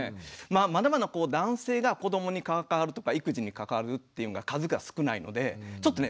まだまだ男性が子どもに関わるとか育児に関わるっていうのが数が少ないのでちょっとね